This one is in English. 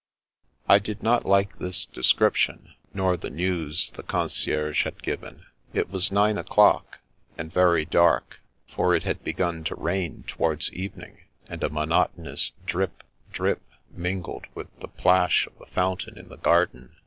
I did not like this description, nor the news the concierge had given. It was nine o'clock, and very dark, for it had begun to rain towards evening, and a monotonous drip, drip mingled with the plash of the fountain in the garden.